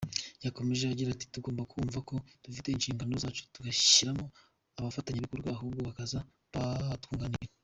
Yakomeje agira ati “Tugomba kumva ko dufite inshingano zacu tudashyiramo abafatanyabikorwa ahubwo bakaza batwunganira.